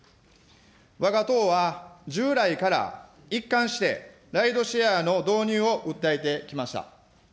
わが党は従来から一貫して、ライドシェアの導入を訴えてきました。